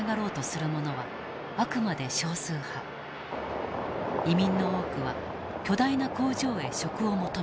移民の多くは巨大な工場へ職を求めた。